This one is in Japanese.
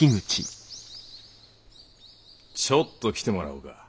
ちょっと来てもらおうか。